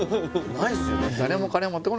ないっすよね